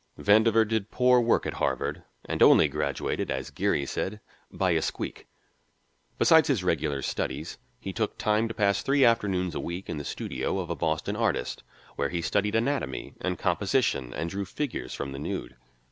Vandover did poor work at Harvard and only graduated, as Geary said, "by a squeak." Besides his regular studies he took time to pass three afternoons a week in the studio of a Boston artist, where he studied anatomy and composition and drew figures from the nude.